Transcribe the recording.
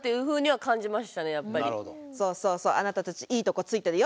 そうそうそうあなたたちいいとこついてるよ。